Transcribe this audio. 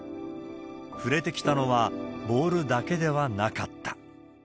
触れてきたのは、ボールだけではなかった。